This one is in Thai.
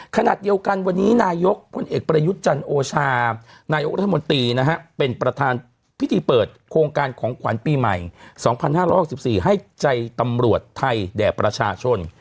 ขณะเดียวกันวันนี้นายกพลเอกประยุทธ์จันโอชานายกรัฐมนตรีนะฮะเป็นประธานพิธีเปิดโครงการของขวัญปีใหม่๒๕๖๔ให้ใจตำรวจไทยแด่ประชาชน